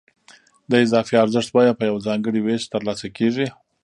د اضافي ارزښت بیه په یو ځانګړي وېش ترلاسه کېږي